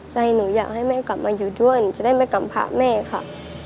ใจหนูอยากให้แม่กลับมาอยู่ด้วยหนูจะได้ไม่กำพระแม่ค่ะ